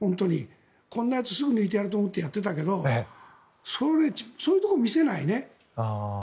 こんなやつすぐ抜いてやると思ってやってたけどそういうとこ見せないね。